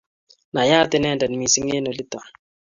inayat inendet missing eng olito